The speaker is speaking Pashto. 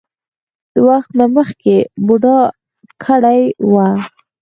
د وخت نه مخکښې بوډا کړے وۀ ـ